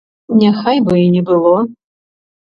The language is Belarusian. Няхай бы і не было!